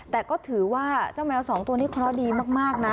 แต่ก็ถือว่าเจ้าแมวสองตัวนี้เคราะห์ดีมากนะ